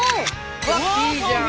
うわっいいじゃん！